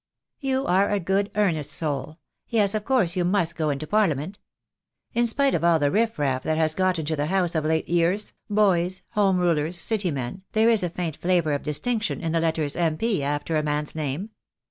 "You are a good earnest soul. Yes, of course, you must go into Parliament. In spite of all the riff raff that has got into the House of late years, boys, Home Rulers, city men, there is a faint flavour of distinction in the letters M.P. after a man's name.